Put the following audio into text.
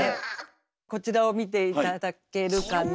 こちらを見て頂けるかな？